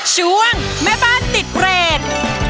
ช่วงแม่บ้านติดเรท